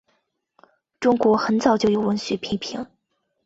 中国很早就有文学批评。